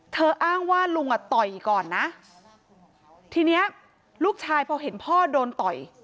อ้างว่าลุงอ่ะต่อยก่อนนะทีเนี้ยลูกชายพอเห็นพ่อโดนต่อย